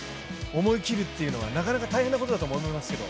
思い切るっていうのは、なかなか大変なことだと思いますけど。